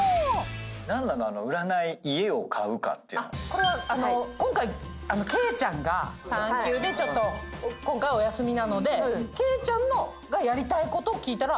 これは今回ケイちゃんが産休でちょっとお休みなのでケイちゃんがやりたいことを聞いたら占いということでした。